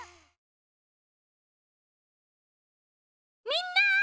みんな！